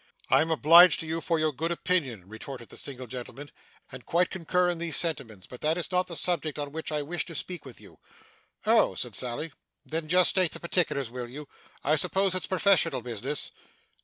'I am obliged to you for your good opinion,' retorted the single gentleman, 'and quite concur in these sentiments. But that is not the subject on which I wish to speak with you.' 'Oh!' said Sally. 'Then just state the particulars, will you? I suppose it's professional business?